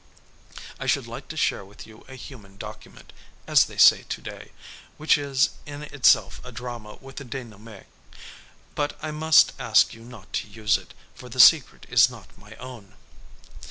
I should like to share with you a human document, as they say to day, which is in itself a drama with a dénouement. But I must ask you not to use it, for the secret is not my own."